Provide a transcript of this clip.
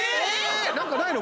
何かないの？